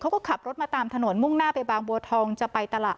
เขาก็ขับรถมาตามถนนมุ่งหน้าไปบางบัวทองจะไปตลาด